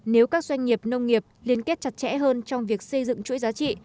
nếu các doanh nghiệp nông nghiệp liên kết chặt chẽ hơn trong việc xây dựng chuỗi giá trị